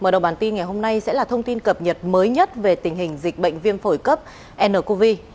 mở đầu bản tin ngày hôm nay sẽ là thông tin cập nhật mới nhất về tình hình dịch bệnh viêm phổi cấp ncov